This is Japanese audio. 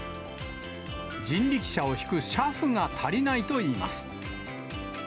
人力車を引く車夫が足りないといいます。